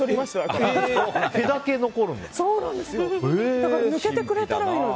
だから、抜けてくれたらいいのに。